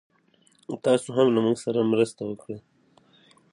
د خلکو د توکو د آسایښت سطح د پراختیا په حال کې ده.